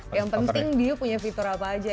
yang penting dia punya fitur apa aja